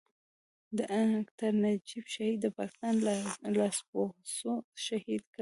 ډاکټر نجيب شهيد د پاکستان لاسپوڅو شهيد کړ.